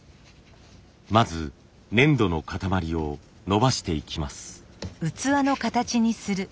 まず粘土の塊をのばしていきます。